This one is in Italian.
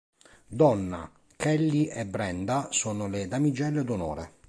Donna, Kelly e Brenda sono le damigelle d'onore.